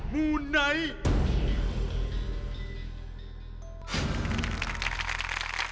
มูไนท์